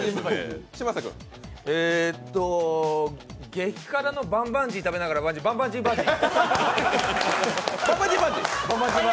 激辛のバンバンジー食べながらバンジー、バンバンジーバンジー？